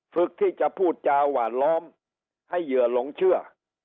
ฝึกที่จะพูดจาหวานล้อมให้เหยื่อหลงเชื่อ